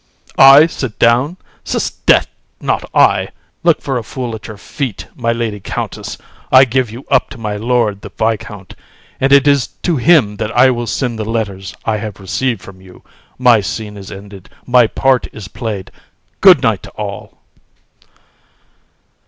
HAR. I sit down? 'sdeath! not I! (Showing MR. THIBAUDIER.) Look for a fool at your feet, my lady Countess; I give you up to my lord the viscount, and it is to him that I will send the letters I have received from you. My scene is ended, my part is played. Good night to all!